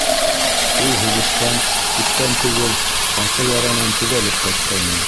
Ул һуғыштан күптән түгел ҡаты яранан төҙәлеп ҡайтҡайны.